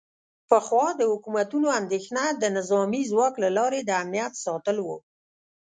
پخوا د حکومتونو اندیښنه د نظامي ځواک له لارې د امنیت ساتل و